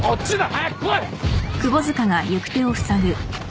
早く来い。